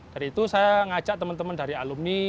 dari itu saya ngajak teman teman dari alumni